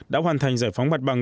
đã hoàn thành giải phóng bật bằng